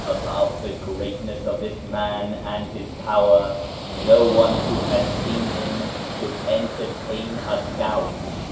About the greatness of this man and his power no one who had seen him could entertain a doubt.